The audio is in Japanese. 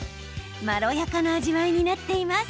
まろやかな味わいになっています。